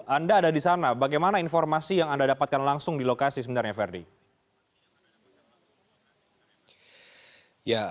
anda ada di sana bagaimana informasi yang anda dapatkan langsung di lokasi sebenarnya ferdi